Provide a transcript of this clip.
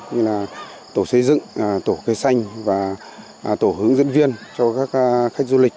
như là tổ xây dựng tổ cây xanh và tổ hướng dẫn viên cho các khách du lịch